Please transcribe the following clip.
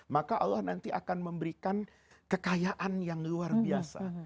maka allah nanti akan memberikan kekayaan yang luar biasa